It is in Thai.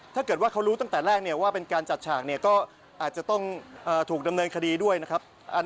ถ้าเกิดว่าเขารู้ตั้งแต่แรกเนี่ยว่าเป็นการจัดฉากเนี่ยก็อาจจะต้องถูกดำเนินคดีด้วยนะครับ